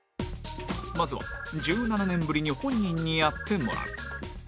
まずは１７年ぶりに本人にやってもらう